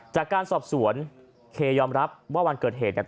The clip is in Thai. จากการสอบสวนเคยอมรับว่าวันเกิดเหตุเนี่ย